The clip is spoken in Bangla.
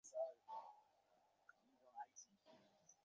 তিনি আইএসআই থেকে পদত্যাগ করেছিলেন।